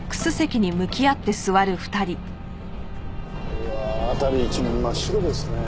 うわあ辺り一面真っ白ですね。